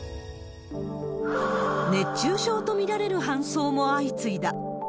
熱中症と見られる搬送も相次いだ。